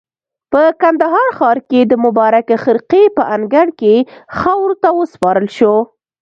په کندهار ښار کې د مبارکې خرقې په انګړ کې خاورو ته وسپارل شو.